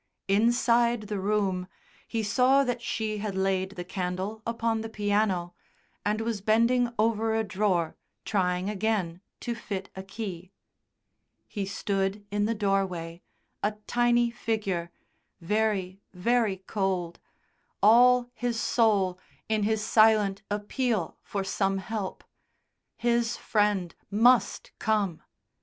Inside the room he saw that she had laid the candle upon the piano, and was bending over a drawer, trying again to fit a key. He stood in the doorway, a tiny figure, very, very cold, all his soul in his silent appeal for some help. His Friend must come.